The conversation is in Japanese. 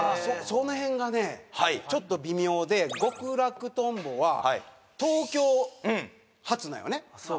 その辺がねちょっと微妙で極楽とんぼは東京発なんよね